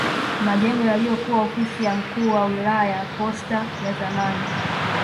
Majengo yaliyokuwa ofisi ya mkuu wa wilaya posta ya zamani